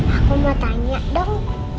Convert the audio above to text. aku mau tanya dong